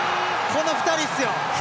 この２人ですよ。